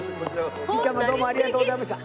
律ちゃんもどうもありがとうございました。